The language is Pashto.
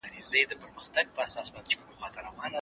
بشریت باید د پانګه والۍ له شره وژغورل سي.